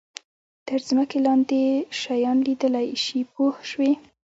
تر ځمکې لاندې شیان لیدلای شي پوه شوې!.